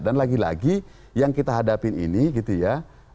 dan lagi lagi yang kita hadapin ini gitu ya